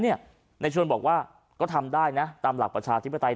ในชวนบอกว่าก็ทำได้นะตามหลักประชาธิปไตย